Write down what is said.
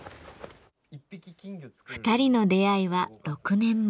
２人の出会いは６年前。